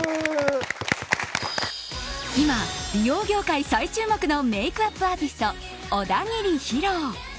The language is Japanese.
今、美容業界最注目のメイクアップアーティスト小田切ヒロ。